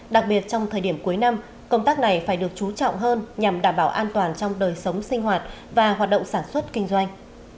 đặc biệt trong thời điểm cuối năm công tác này phải được chú trọng hơn nhằm đảm bảo an toàn trong đời sống sinh hoạt và hoạt động sản xuất kinh doanh